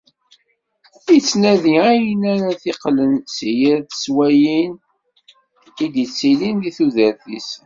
Ittnadi ayen ara t-iqilen si yir teswayin i d-ittilin di tudert-is.